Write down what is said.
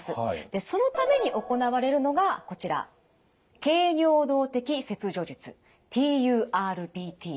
でそのために行われるのがこちら経尿道的切除術ＴＵＲＢＴです。